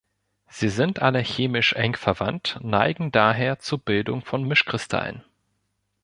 Sie sind alle chemisch eng verwandt, neigen daher zur Bildung von Mischkristallen.